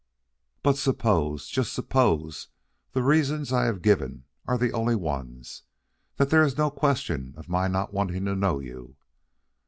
"But suppose, just suppose, that the reasons I have given are the only ones? that there is no question of my not wanting to know you?"